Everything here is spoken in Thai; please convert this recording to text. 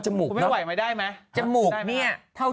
หิงรูขาว